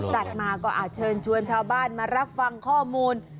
จัดมาก็อาจเชิญชวนชาวบ้านมารับฟังข้อมูล